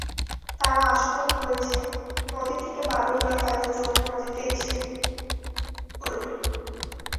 তাঁরা আশঙ্কা করছেন, নদী থেকে বালু তোলায় তাঁদের জমি নদীতে ধসে পড়বে।